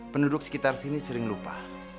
penduduk sekitar sini sering lupa